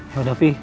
ya udah fi